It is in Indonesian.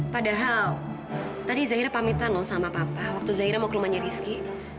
padahal tadi zahira pamitan loh sama papa waktu zahira mau ke rumahnya rizky